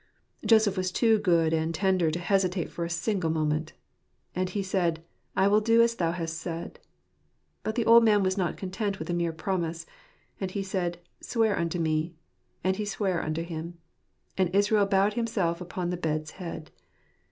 Joseph was too good and tender to hesitate for a single moment. " And he said, I will do as thou hast said." But the old man was not content with a mere promise. "And he said, Swear unto me. And he sware unto him. And Israel bowed himself upon the bed's head."